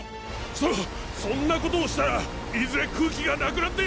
そそんな事をしたらいずれ空気がなくなって。